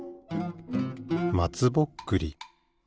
まつぼっくり。